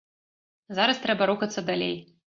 Зараз трэба рухацца далей.